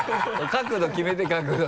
角度決めて角度